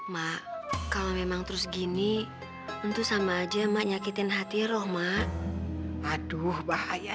mak kalau memang terus gini untuk sama aja emang nyakitin hati rohma aduh bahaya